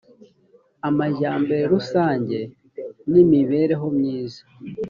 amajyambere rusange n’ imibereho myiza